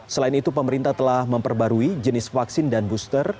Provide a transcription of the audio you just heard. selain itu pemerintah telah memperbarui jenis vaksin dan booster